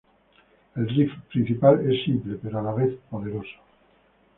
El riff principal es simple pero a la vez poderoso.